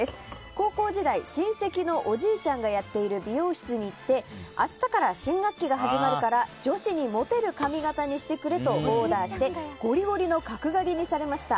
高校時代親戚のおじいちゃんがやっている美容室に行って明日から新学期が始まるから女子にモテる髪形にしてくれとオーダーしてゴリゴリの角刈りにされました。